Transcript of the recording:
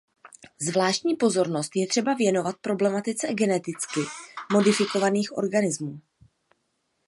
Zvláštní pozornost je třeba věnovat problematice geneticky modifikovaných organismů.